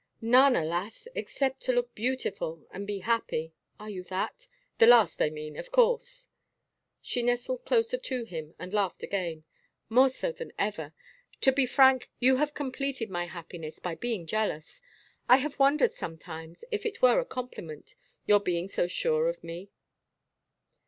"None, alas, except to look beautiful and be happy. Are you that? the last I mean, of course!" She nestled closer to him and laughed again. "More so than ever. To be frank you have completed my happiness by being jealous. I have wondered sometimes if it were a compliment your being so sure of me."